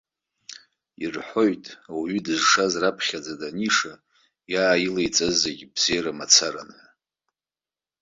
Ирҳәоит, ауаҩы дызшаз раԥхьаӡа даниша, иааилаиҵаз зегьы бзиара мацаран ҳәа.